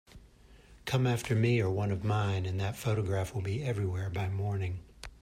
Come after me or one of mine, and that photograph will be everywhere by morning.